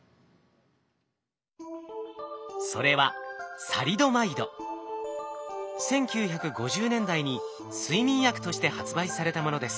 それは１９５０年代に睡眠薬として発売されたものです。